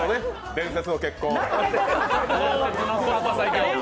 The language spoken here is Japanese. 伝説の結婚。